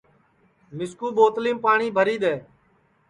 مِسکُو ٻوتلِیم پاٹؔی بھری دؔے